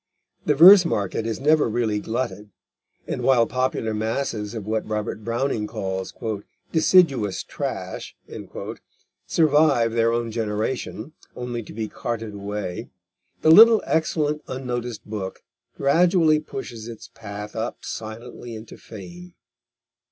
The verse market is never really glutted, and while popular masses of what Robert Browning calls "deciduous trash" survive their own generation, only to be carted away, the little excellent, unnoticed book gradually pushes its path up silently into fame.